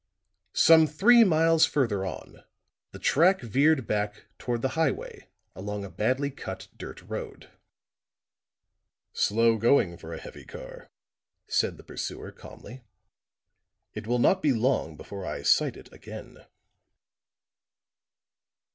Some three miles further on, the track veered back toward the highway along a badly cut dirt road. "Slow going for a heavy car," said the pursuer calmly. "It will not be long before I sight it again."